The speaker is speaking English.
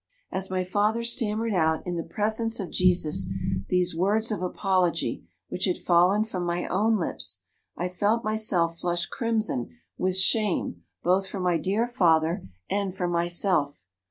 "As my father stammered out, in the presence of Jesus, these words of apology, which had fallen from my own lips, I felt myself flush crimson with shame both for my dear father and for myself.